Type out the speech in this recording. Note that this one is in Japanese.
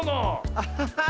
アッハハ！